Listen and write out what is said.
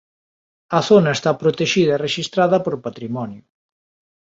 A zona está protexida e rexistrada por patrimonio.